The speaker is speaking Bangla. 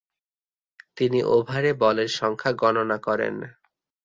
তিনি ওভারে বলের সংখ্যা গণনা করেন।